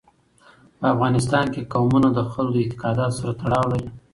په افغانستان کې قومونه د خلکو د اعتقاداتو سره تړاو لري.